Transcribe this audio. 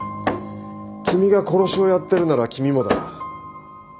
君が殺しをやってるなら君もだ。